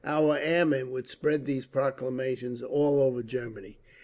Our airmen would spread these proclamations all over Germany….